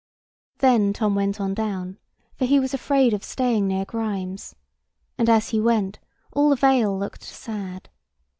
Then Tom went on down, for he was afraid of staying near Grimes: and as he went, all the vale looked sad.